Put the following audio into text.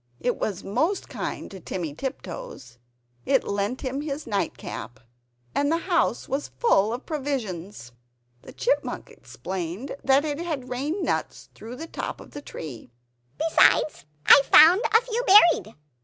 It was most kind to Timmy Tiptoes; it lent him its nightcap; and the house was full of provisions. The Chipmunk explained that it had rained nuts through the top of the tree "Besides, I found a few buried!"